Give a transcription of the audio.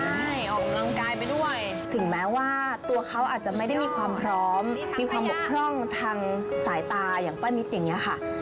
ใช่ออกกำลังกายไปด้วยถึงแม้ว่าตัวเขาอาจจะไม่ได้มีความพร้อมมีความบกพร่องทางสายตาอย่างป้านิตอย่างนี้ค่ะ